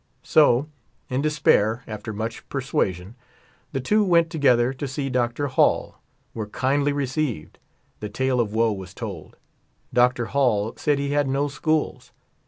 So, in despair, after much persuasion, the two went together to see Dr. Hall ; were kindly received ; the tale of woe was told ; Dr. Hall said he had no schools.